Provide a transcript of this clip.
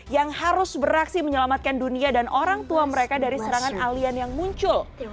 yang harus beraksi menyelamatkan dunia dan orang tua mereka dari serangan alian yang muncul